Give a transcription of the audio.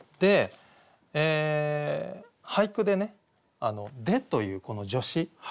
俳句でね「で」というこの助詞。